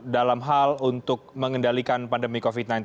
dalam hal untuk mengendalikan pandemi covid sembilan belas